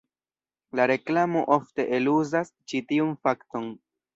La reklamo ofte eluzas ĉi tiun fakton.